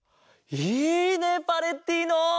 いいねパレッティーノ！